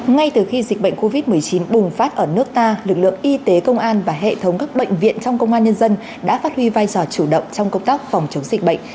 ngay từ khi dịch bệnh covid một mươi chín bùng phát ở nước ta lực lượng y tế công an và hệ thống các bệnh viện trong công an nhân dân đã phát huy vai trò chủ động trong công tác phòng chống dịch bệnh